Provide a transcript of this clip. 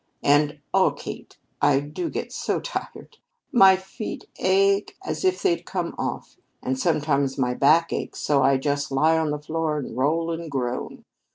And, oh, Kate, I do get so tired! My feet ache as if they'd come off, and sometimes my back aches so I just lie on the floor and roll and groan.